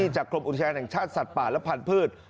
กรมอุทยานแห่งชาติสัตว์ป่าและพันธุ์